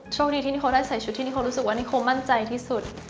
โชคดีที่นิโคได้ใส่ชุดที่นิโครู้สึกว่านิโคมั่นใจที่สุด